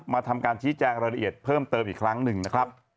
ทำการชี้แจงรายละเอียดเพิ่มเติมอีกครั้งหนึ่งนะครับ